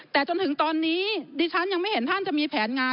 แต่จนถึงตอนนี้ดิฉันยังไม่เห็นท่านจะมีแผนงาน